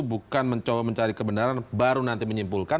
bukan mencoba mencari kebenaran baru nanti menyimpulkan